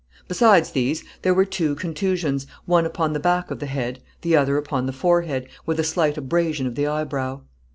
Besides these, there were two contusions, one upon the back of the head, the other upon the forehead, with a slight abrasion of the eyebrow.